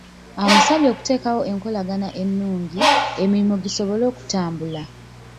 Amusabye okuteekawo enkolagana ennungi, emirimu gisobole okutambula.